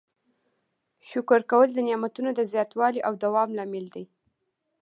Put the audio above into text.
شکر کول د نعمتونو د زیاتوالي او دوام لامل دی.